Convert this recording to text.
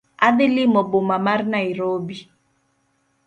Adhi limo boma mar Nairobi